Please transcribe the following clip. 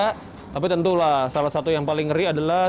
tapi tentulah salah satu yang paling ngeri adalah